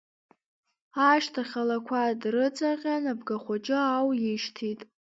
Ашьҭахь алақәа дрыҵаҟьан, абгахәыҷы ауишьҭит.